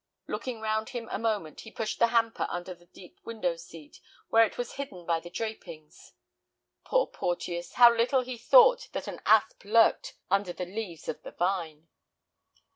Looking round him a moment, he pushed the hamper under the deep window seat, where it was hidden by the drapings. Poor Porteus, how little he thought that an asp lurked under the leaves of the vine!